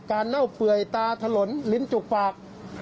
เน่าเปื่อยตาถลนลิ้นจุกปาก